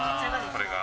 これが。